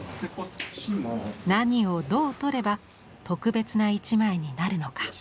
何をどう撮れば「特別な一枚」になるのか。